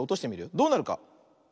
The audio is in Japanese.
どうなるか。